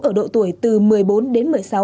ở độ tuổi từ một mươi bốn đến một mươi sáu